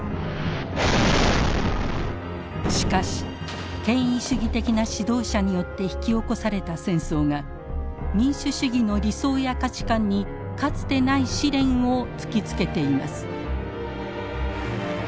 しかし権威主義的な指導者によって引き起こされた戦争が民主主義の理想や価値観にかつてない試練を突きつけています。